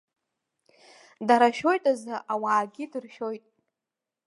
Дара шәоит азы ауаагьы дыршәоит.